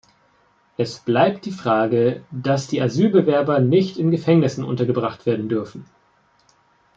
Es bleibt die Frage, dass die Asylbewerber nicht in Gefängnissen untergebracht werden dürfen.